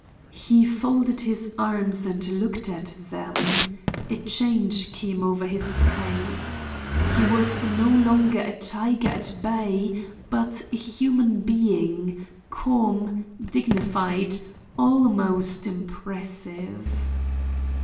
He folded his arms and looked at them. A change came over his face. He was no longer a tiger at bay, but a human being, calm, dignified, almost impressive.